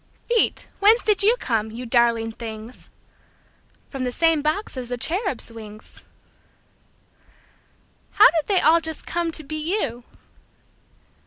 Feet, whence did you come, you darling things? From the same box as the cherubs' wings. How did they all just come to be you?